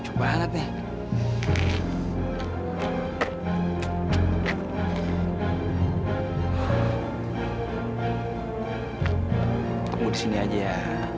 tunggu di sini aja ya